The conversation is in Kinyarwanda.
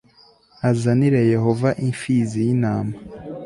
azanire yehova imfizi y'intama